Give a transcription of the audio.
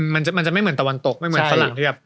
มันจะไม่เหมือนตะวันตกไม่เหมือนสลับเรียบ